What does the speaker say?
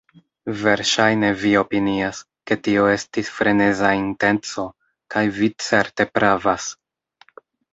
Verŝajne vi opinias, ke tio estis freneza intenco, kaj vi certe pravas.